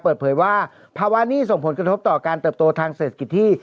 เปิดเผยว่าภาวะนี้ส่งผลกระทบต่อการเติบโตทางเศรษฐกิจที่